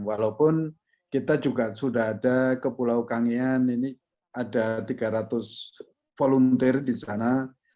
walaupun kita juga sudah ada ke pulau kangean ini ada tiga ratus volunteer di sana